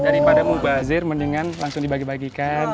daripada mubazir mendingan langsung dibagi bagikan